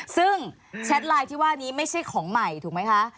ซึ่งแชทไลน์ที่ว่านี้ไม่ใช่ของใหม่ถูกไหมคะ